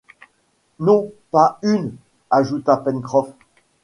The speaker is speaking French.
Non, pas une ! ajouta Pencroff.